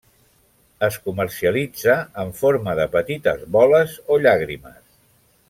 Es comercialitza en forma de petites boles o llàgrimes.